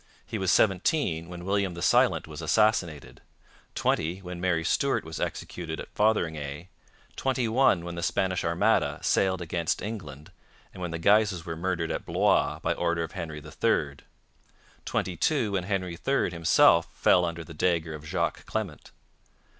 He was seventeen when William the Silent was assassinated; twenty when Mary Stuart was executed at Fotheringay; twenty one when the Spanish Armada sailed against England and when the Guises were murdered at Blois by order of Henry III; twenty two when Henry III himself fell under the dagger of Jacques Clement.